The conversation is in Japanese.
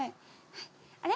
あれ？